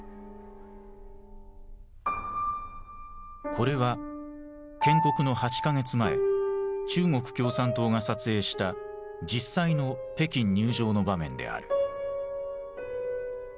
これは建国の８か月前中国共産党が撮影した実際の北京入城の場面である。